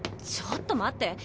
ちょっと待って。